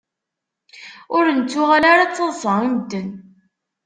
Ur nettuɣal ara d taḍṣa i medden.